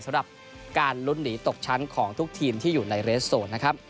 สำหรับการลุ้นหนีตกชั้นของทุกทีมที่อยู่ในเรสโซนนะครับ